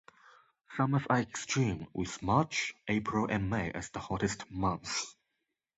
Summers are extreme with March, April and May as the hottest months.